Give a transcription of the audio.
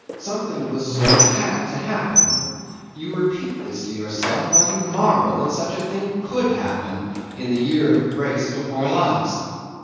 Something of the sort had to happen. You repeat this to yourself while you marvel that such a thing could happen in the year of grace before last.